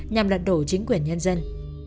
nhằm lật đổ chính quyền nhân dân